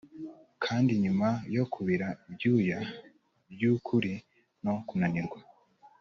kandi nyuma yo kubira ibyuya byukuri no kunanirwa